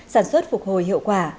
sản xuất phục hồi hiệu quả